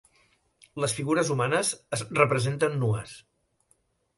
Les figures humanes es representen nues.